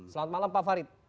selamat malam pak farid